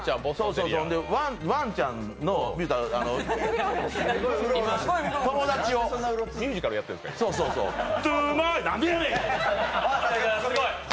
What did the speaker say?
ワンちゃんの友達をミュージカルやってるんですか、今？